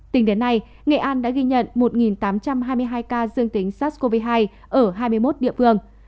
tính đến nay nghệ an đã ghi nhận một tám trăm hai mươi hai ca dương tính sars cov hai ở hai mươi một địa phương